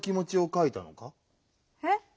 えっ。